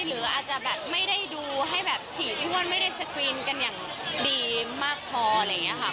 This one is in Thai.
หรืออาจจะไม่ได้ดูให้ถี่ทุกคนไม่ได้สกรีนกันอย่างดีมากพอ